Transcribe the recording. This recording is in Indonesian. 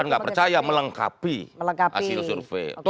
nggak percaya melengkapi hasil survei